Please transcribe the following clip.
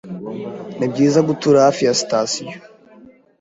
Nibyiza gutura hafi ya sitasiyo.